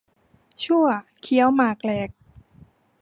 ชั่วเคี้ยวหมากแหลก